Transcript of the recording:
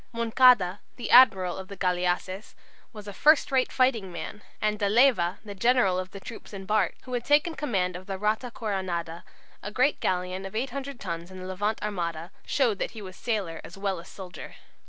Moncada, the admiral of the galleasses, was a "first rate fighting man," and De Leyva, the general of the troops embarked, who had taken command of the "Rata Coronada," a great galleon of 800 tons in the Levant armada, showed that he was sailor as well as soldier.